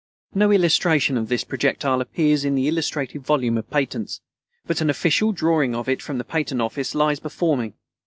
No illustration of this projectile appears in the illustrated volume of patents; but an official drawing of it from the Patent Office lies before me.